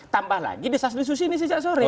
tambah lagi desas desus ini sejak sore